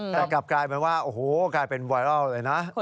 แต่กลับกลายเป็นว่าโอ้โหกลายเป็นไวรัลเลยนะ